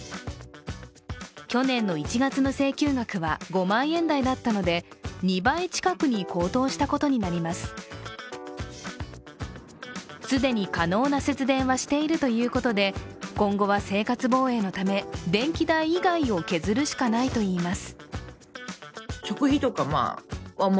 去年の１月の請求額は５万円台だったので２倍近くに高騰したことになります既に可能な節電はしているということで、今後は生活防衛のため、電気代以外を削るしかないといいます。